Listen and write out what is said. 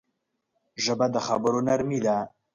ژبه د خبرو نرمي ده